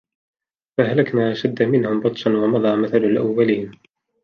فَأَهلَكنا أَشَدَّ مِنهُم بَطشًا وَمَضى مَثَلُ الأَوَّلينَ